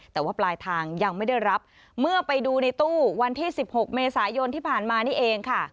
แต่ว่าปลายทางยังไม่ได้รับเมื่อไปดูในตู้วันที่๑๖เมษายนที่ผ่านมานี่เองค่ะ